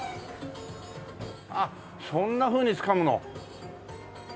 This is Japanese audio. あっそんなふうにつかむの。